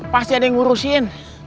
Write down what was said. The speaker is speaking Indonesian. pasti ada yang ngurusin